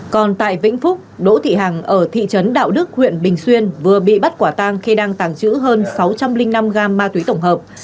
còn tại vĩnh phúc đỗ thị hằng ở thị trấn đạo đức huyện bình xuyên vừa bị bắt quả tang khi đang tàng trữ hơn sáu trăm linh năm gam ma túy tổng hợp